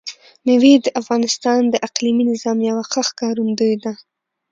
مېوې د افغانستان د اقلیمي نظام یوه ښه ښکارندوی ده.